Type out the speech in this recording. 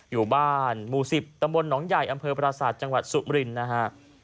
อยู่บ้านหมู่๑๐ตำบลหนองใหญ่อำเภอปราศาสตร์จังหวัดสุมรินนะฮะ